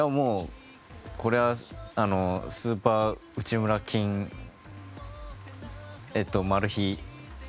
これはスーパー内村金マル秘。